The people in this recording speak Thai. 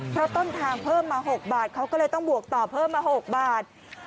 เพราะต้นทางเพิ่มมา๖บาทเขาก็เลยต้องบวกต่อเพิ่มมา๖บาท